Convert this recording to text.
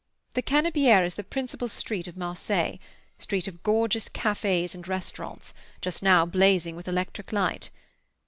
The Cannibiere is the principal street of Marseilles, street of gorgeous cafés and restaurants, just now blazing with electric light.